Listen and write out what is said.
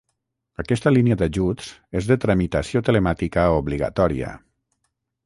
Aquesta línia d'ajuts és de tramitació telemàtica obligatòria.